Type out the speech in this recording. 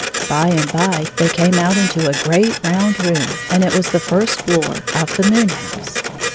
By and by they came out into a great round room, and it was the first floor of the moon house.